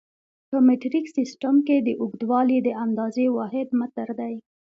په مټریک سیسټم کې د اوږدوالي د اندازې واحد متر دی.